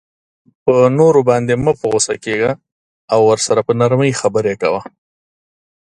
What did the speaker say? په نورو باندی مه په غصه کیږه او ورسره په نرمۍ خبری کوه